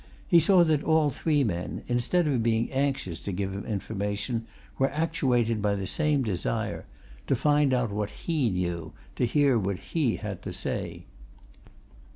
He saw that all three men, instead of being anxious to give him information, were actuated by the same desire to find out what he knew, to hear what he had to say.